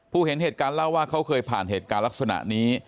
เห็นเหตุการณ์เล่าว่าเขาเคยผ่านเหตุการณ์ลักษณะนี้